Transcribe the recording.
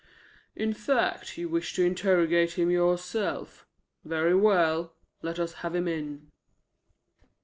"In fact, you wish to interrogate him yourself. Very well. Let us have him in."